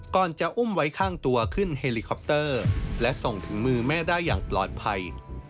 ก่อนจะอุ้มไว้ข้างตัวขึ้นเฮลิคอปเตอร์และส่งถึงมือแม่ได้อย่างปลอดภัย